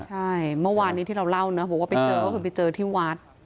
ใช่เมื่อวานนี้ที่เราเล่านะบอกว่าไปเจอก็คือไปเจอที่วัด